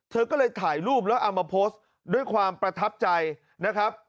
เธอก็เลยถ่ายรูปแล้วเอามาโพสต์ด้วยความประทับใจนะครับ